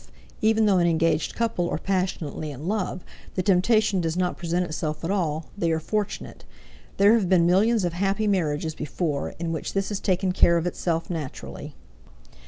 If, even though an engaged couple are passionately in love, the temptation does not present itself at all, they are fortunate; there have been millions of happy marriages before in which this has taken care of itself naturally.